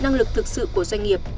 năng lực thực sự của doanh nghiệp